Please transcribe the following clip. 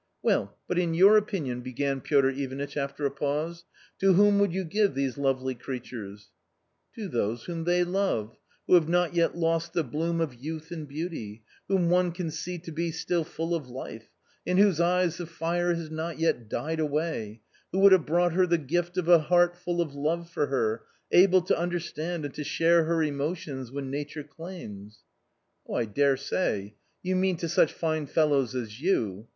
Well, but in your opinion," began Piotr Ivanitch after a pause: "to whom would you give these lovely creatures ?"" To those whom they love, who have not yet lost the bloom of youth and beauty, whom one can see to be still full of life, in whose eyes the fire has not yet died away, who would have brought her the gift of a heart full of love for her, able to understand and to share her emotions when nature claims." ...." I dare say ! you mean to such fine fellows as you.